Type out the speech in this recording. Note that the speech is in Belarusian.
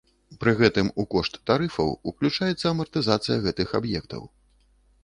Пры гэтым у кошт тарыфаў ўключаецца амартызацыя гэтых аб'ектаў.